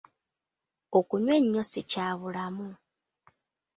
Okunywa ennyo si kya bulamu.